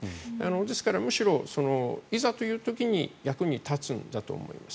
ですからむしろ、いざという時に役に立つんだと思います。